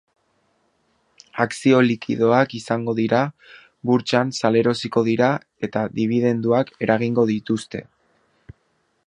Akzio likidoak izango dira, burtsan salerosiko dira eta dibidenduak eragingo dituzte.